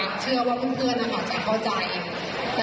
ว่าแบบเออเราต้องแบบทำให้งานมันเดินหน้าต่อให้ได้เนอะ